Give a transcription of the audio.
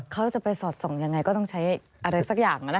เขาจะไปสอดส่องยังไงก็ต้องใช้อะไรสักอย่าง